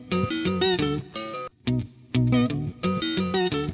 うん。